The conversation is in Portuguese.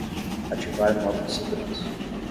Ativar modo de segurança.